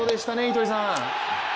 糸井さん。